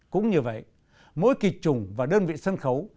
cũng như vậy mỗi kịch trùng và đơn vị sân khấu